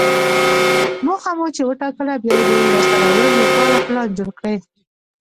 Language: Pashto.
موخه مو چې وټاکله، بیا یې د لاسته راوړلو لپاره پلان جوړ کړئ.